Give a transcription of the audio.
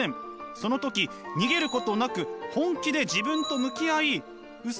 その時逃げることなく本気で自分と向き合いウソ